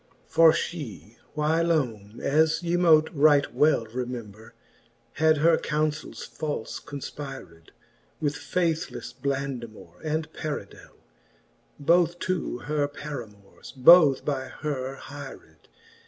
XLI. For fhe whylome, as they mote yet right well Remember, had her counfels falfe confpyred ■ With faithlefle Blandamour and Paridelly (Both two her paramours, both by her hyred.